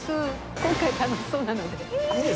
今回楽しそうなので。